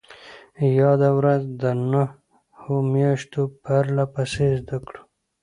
ياده ورځ د نهو مياشتو پرلهپسې زدهکړو